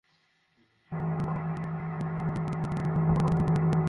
তাঁদের ধামরাইয়ের বাথুলী এলাকায় নামিয়ে দিয়ে দ্রুত আরিচার দিকে চলে যায় ছিনতাইকারীরা।